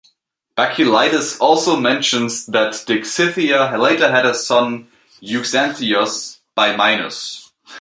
Bacchylides also mentions that Dexithea later had a son Euxanthios by Minos.